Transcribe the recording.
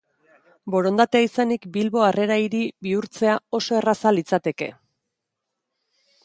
Borondatea izanik, Bilbo Harrera Hiri bihurtzea oso erraza litzateke.